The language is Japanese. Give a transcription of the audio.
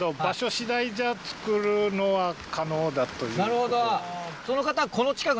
なるほど。